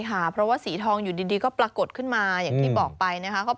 ค่ะเพราะว่าสีทองอยู่ดีก็ปรากฏขึ้นมาอย่างที่บอกไปนะครับ